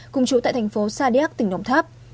cùng chú tại thành phố sa điếc tỉnh đồng tháp